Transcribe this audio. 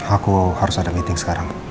aku harus ada meeting sekarang